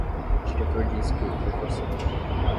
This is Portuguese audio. Diretor disse que ele foi forçado